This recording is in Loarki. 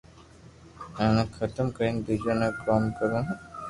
ايني ختم ڪرين بيجو بو ڪوم ڪروُ ھي